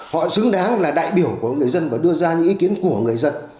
họ xứng đáng là đại biểu của người dân và đưa ra những ý kiến của người dân